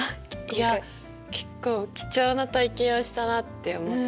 いや結構貴重な体験をしたなって思った。